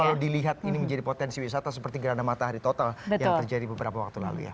kalau dilihat ini menjadi potensi wisata seperti gerhana matahari total yang terjadi beberapa waktu lalu ya